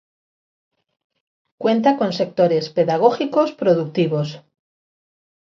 Cuenta con sectores pedagógicos productivos.